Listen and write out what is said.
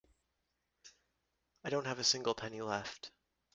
I don't have a single penny left.